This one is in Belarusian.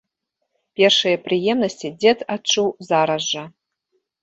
Першыя прыемнасці дзед адчуў зараз жа.